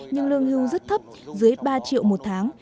nhưng lương hưu rất thấp dưới ba triệu một tháng